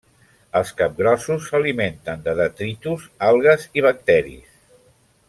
Els capgrossos s'alimenten de detritus, algues i bacteris.